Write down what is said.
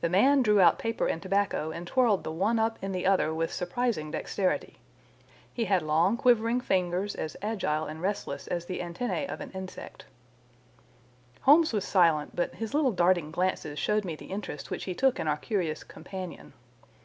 The man drew out paper and tobacco and twirled the one up in the other with surprising dexterity. He had long, quivering fingers as agile and restless as the antennæ of an insect. Holmes was silent, but his little darting glances showed me the interest which he took in our curious companion.